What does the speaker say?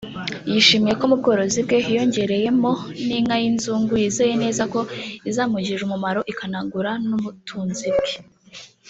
yishimiye ko mubworozi bwe hiyongereyemo n’inka y’inzungu yizeye neza ko izamugirira umumaro ikanagura n’umutunzi bwe